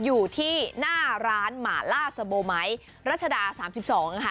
อยู่ที่หน้าร้านหมาล่าสโบไมค์รัชดา๓๒นะคะ